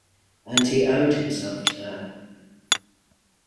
And he owed himself to her.